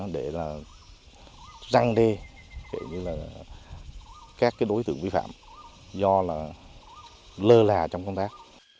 để là răng đê kể như là các đối tượng vi phạm do là lơ là trong công tác